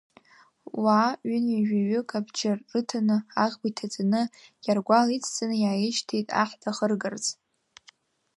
Уаа-ҩынҩажәаҩык абџьар рыҭаны, аӷба иҭаҵаны, Гьаргәал ицҵаны иааишьҭит аҳ дахыргарц.